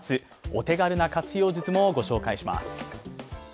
お手軽な活用術もご紹介します。